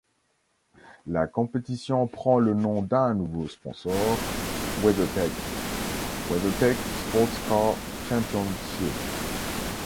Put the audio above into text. La compétition prend le nom d'un nouveau sponsor, WeatherTech ː WeatherTech SportsCar Championship.